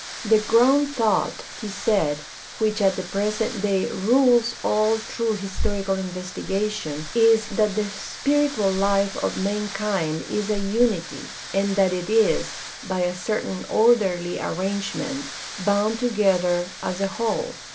The ground thought, he said, which at the present day "rules all true historical investigation" is " that the spiritual life of mankind is a unity, and that it is, by a certain orderly arrangement, bound together as a whole.